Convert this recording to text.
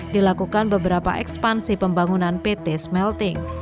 dilakukan beberapa ekspansi pembangunan pt smelting